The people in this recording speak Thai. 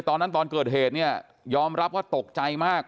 ตอนเกิดเหตุเนี่ยยอมรับว่าตกใจมาก